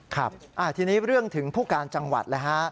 ครับทีนี้เรื่องถึงผู้การจังหวัดเลยฮะ